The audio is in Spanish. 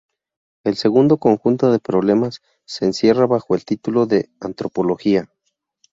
El segundo conjunto de problemas se encierra bajo el título de antropología.